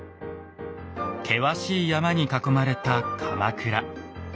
険しい山に囲まれた鎌倉。